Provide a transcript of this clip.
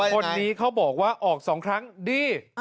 คนนี้เขาบอกว่าออก๒ครั้งดี